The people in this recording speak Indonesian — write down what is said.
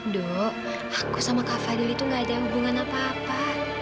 dok aku sama kak fadul itu gak ada hubungan apa apa